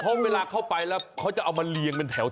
เพราะเวลาเข้าไปแล้วเขาจะเอามาเรียงเป็นแถว